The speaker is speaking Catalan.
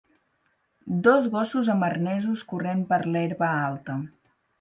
Dos gossos amb arnesos corrent per l'herba alta.